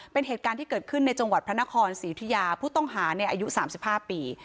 เป็นเหตุการณ์ที่เกิดขึ้นในจังหวัดพระนครสีทุรธิยาผู้ต้องหาในอายุสามสิบห้าปี